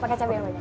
pakai cabai aja